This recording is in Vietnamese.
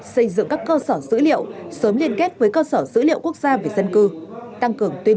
xây dựng các cơ sở dữ liệu sớm liên kết với cơ sở dữ liệu quốc gia về dân cư tăng cường tuyên